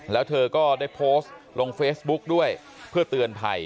แล้วเธอก็ได้โพสต์ลงเฟซบุ๊กด้วยเพื่อเตือนภัย